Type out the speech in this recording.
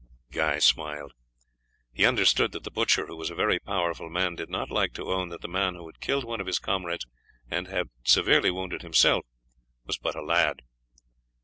Guy smiled. He understood that the butcher, who was a very powerful man, did not like to own that the man who had killed one of his comrades and had severely wounded himself was but a lad.